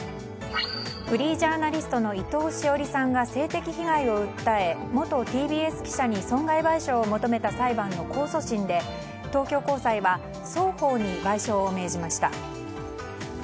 フリージャーナリストの伊藤詩織さんが性的被害を訴え元ＴＢＳ記者に損害賠償を求めた裁判の控訴審で東京高裁は双方に賠償を命じました。